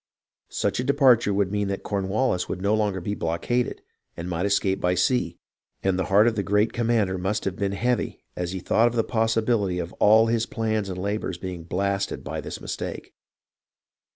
Such a departure would mean that Corn waUis would no longer be blockaded and might escape by sea, and the heart of the great commander must have been heavy as he thought of the possibility of all his plans and labours being blasted by this mistake.